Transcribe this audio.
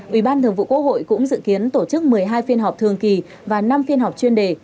ủy ban thường vụ quốc hội cũng dự kiến tổ chức một mươi hai phiên họp thường kỳ và năm phiên họp chuyên đề